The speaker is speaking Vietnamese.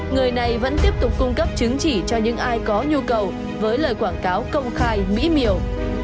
người này vẫn tiếp tục cung cấp chứng chỉ cho những ai có nhu cầu với lời quảng cáo công khai mỹ miều